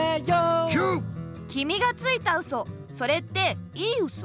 きみがついたウソそれっていいウソ？